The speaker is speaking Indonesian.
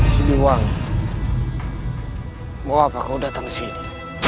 siliwangi mau apa kau datang sini